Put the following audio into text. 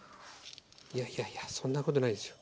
いやいやいやそんなことないですよ。